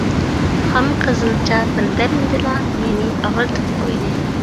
خام قىزىلچا بىردەمدىلا مېنى ئاغرىتىپ قويدى.